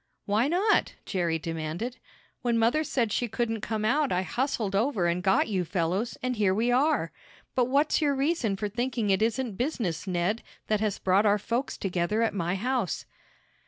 "Why not?" Jerry demanded. "When mother said she couldn't come out I hustled over and got you fellows, and here we are. But what's your reason for thinking it isn't business, Ned, that has brought our folks together at my house?"